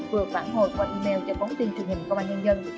vừa phản hồi qua email cho bóng tin truyền hình công an nhân dân